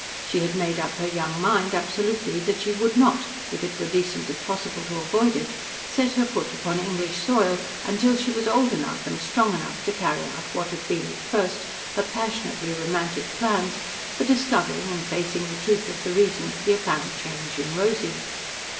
She had made up her young mind absolutely that she would not, if it were decently possible to avoid it, set her foot upon English soil until she was old enough and strong enough to carry out what had been at first her passionately romantic plans for discovering and facing the truth of the reason for the apparent change in Rosy.